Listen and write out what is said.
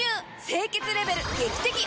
清潔レベル劇的アップ！